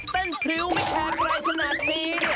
เต้นพริ้วไม่แท้ใครขนาดนี้